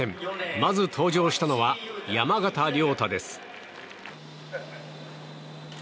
まず登場したのは山縣亮太です。